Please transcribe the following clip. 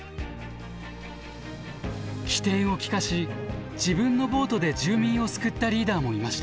機転を利かし自分のボートで住民を救ったリーダーもいました。